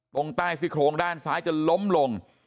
ตรงใต้ซี่โครงด้านซ้ายจนล้มลง